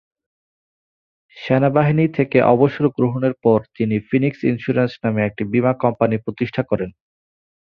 সেনাবাহিনী থেকে অবসর গ্রহণের পর তিনি ফিনিক্স ইন্স্যুরেন্স নামে একটি বীম কোম্পানি প্রতিষ্ঠা করেন।